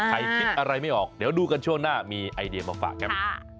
ใครคิดอะไรไม่ออกเดี๋ยวดูกันช่วงหน้ามีไอเดียมาฝากครับ